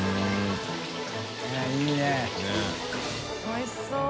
おいしそう。